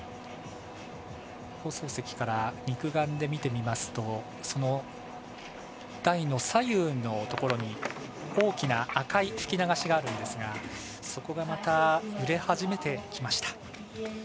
放送席から肉眼で見てみますとその台の左右のところに大きな赤い吹き流しがあるんですがそこがまた揺れ始めてきました。